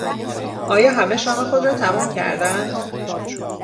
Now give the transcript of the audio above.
آیا همه شام خود را تمام کردند؟